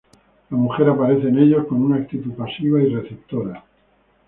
La mujer aparece en ellos con una actitud pasiva y receptora.